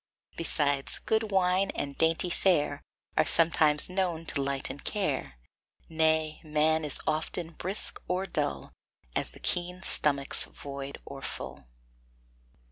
Besides, good wine and dainty fare Are sometimes known to lighten care; Nay, man is often brisk or dull, As the keen stomach's void or full.